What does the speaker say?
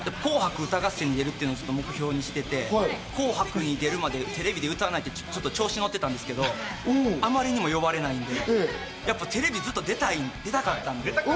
『紅白歌合戦』に出るっていうのを目標にしてて、『紅白』に出るまでテレビで歌わないって調子にのってたんですけど、あまりにも呼ばれないんで、やっぱりテレビずっと出たいって、出たかったって。